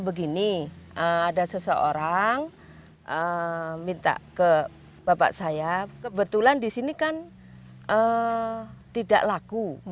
begini ada seseorang minta ke bapak saya kebetulan di sini kan tidak laku